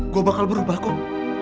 gue bakal berubah kok